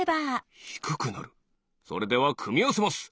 それではくみあわせます！